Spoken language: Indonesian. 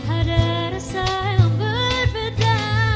ada rasa yang berbeda